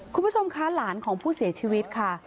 คุณผู้ชมคะหลานของผู้เสียชีวิตค่ะ